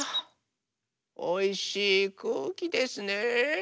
おいしいくうきですね。